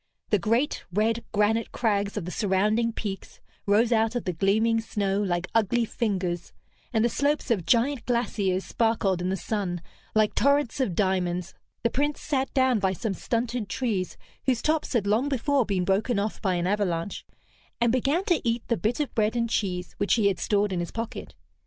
The great, red granite crags of the surrounding peaks rose out of the gleaming snow like ugly fingers, and the slopes of giant glaciers sparkled in the sun like torrents of diamonds. The Prince sat down by some stunted trees whose tops had long before been broken off by an avalanche, and began to eat the bit of bread and cheese which he had stored in his pocket.